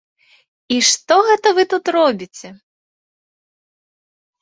І што гэта вы тут робіце?